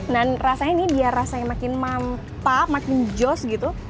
dan rasanya ini dia rasanya makin mantap makin joss gitu